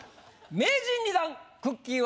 名人２段くっきー！